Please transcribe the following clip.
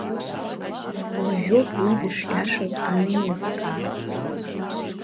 Уажәоуп уи дышиашаз анеилыскаа.